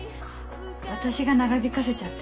私が長引かせちゃって。